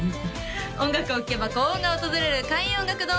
音楽を聴けば幸運が訪れる開運音楽堂